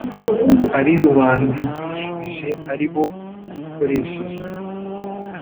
ari rubanda ibwishubije aribo ikoresheje.